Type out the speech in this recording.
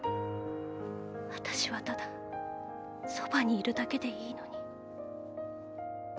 私はただそばにいるだけでいいのに。